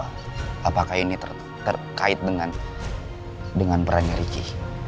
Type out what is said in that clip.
apakah ini terkait dengan perannya ricky